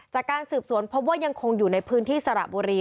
จากการสืบสวนพบว่ายังคงอยู่ในพื้นที่สระบุรี